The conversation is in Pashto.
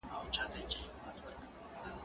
زه خواړه نه ورکوم!؟